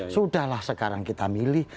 sudahlah sekarang kita milih